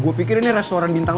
gue pikir ini restoran bintang